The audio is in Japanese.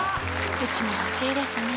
うちも欲しいですね